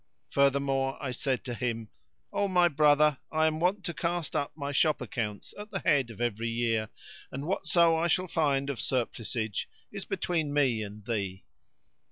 Furthermore I said to him, "O my brother, I am wont to cast up my shop accounts at the head of every year, and whatso I shall find of surplusage is between me and thee."